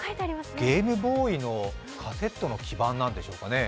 ゲームボーイのカセットの基盤なんですかね。